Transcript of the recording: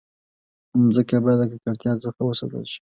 مځکه باید د ککړتیا څخه وساتل شي.